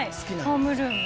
「ホームルーム」。